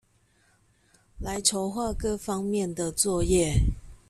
來籌畫各方面的作業